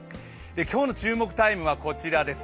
今日の注目タイムはこちらです。